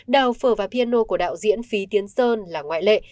đào phở và piano của đạo diễn phí tiến sơn là ngoại lệ